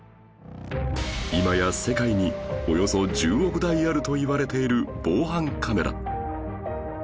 今や世界におよそ１０億台あるといわれている防犯カメラ